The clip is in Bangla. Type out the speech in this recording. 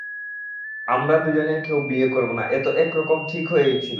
আমরা দুজনের কেউ বিয়ে করব না এ তো একরকম ঠিক হয়েই ছিল।